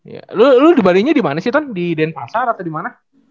ya lu di bali nya dimana sih ton di denpasar atau dimana